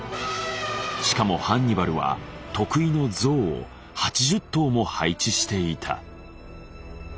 しかもハンニバルは得意のゾウを８０頭も配置していた。